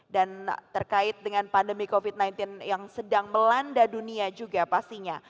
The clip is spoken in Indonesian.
dan terkait dengan pandemi covid sembilan belas yang sedang melanda dunia juga pastinya